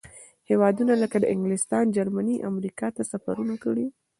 هېوادونو لکه انګلستان، جرمني، امریکا ته سفرونه کړي.